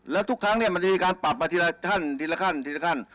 แล้วทุกครั้งเนี่ยมันจะมีการปรับมาทีละท่านทีละขั้นทีละขั้น